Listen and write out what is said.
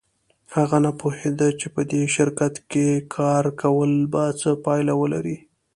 هغه نه پوهېده چې په دې شرکت کې کار کول به څه پایله ولري